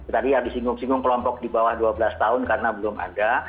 tadi ya disinggung singgung kelompok di bawah dua belas tahun karena belum ada